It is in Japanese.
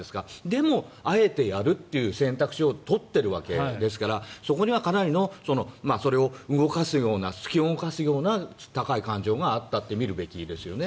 でも、あえてやるっていう選択肢を取っているわけでそこにはかなりのそれを動かすようなつき動かすような高い感情があったって見るべきですよね。